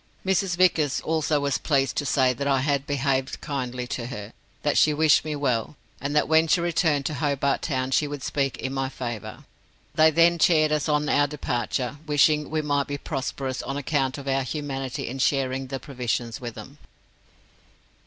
Mrs. Vickers also was pleased to say that I had behaved kindly to her, that she wished me well, and that when she returned to Hobart Town she would speak in my favour. They then cheered us on our departure, wishing we might be prosperous on account of our humanity in sharing the provisions with them.